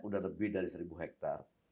sudah lebih dari seribu hektar